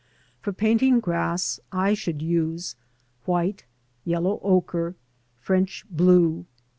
For painting grass I should use white, yellow ochre, French blue, No.